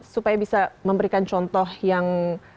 supaya bisa memberikan contoh yang